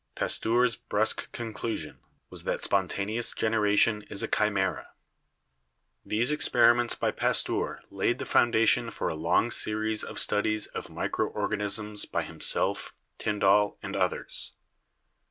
Pasteur's brusque conclusion was that "spontaneous generation is a chimera." THE ORIGIN OF LIFE 51 These experiments by Pasteur laid the foundation for a long series of studies of micro organisms by himself, Tyn dall and others.